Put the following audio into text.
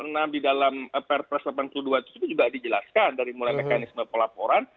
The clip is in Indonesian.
karena di dalam perpres delapan puluh dua itu juga dijelaskan dari mulai mekanisme pelaporan